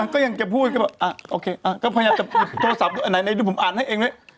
ก็ยังพูดเค้าอยากจะเติบโทรศัพท์ไหนผมอ่านให้เองด้วย